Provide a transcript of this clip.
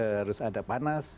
harus ada panas